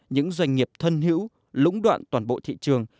những doanh nghiệp thân hữu lũng đoạn toàn bộ thị trường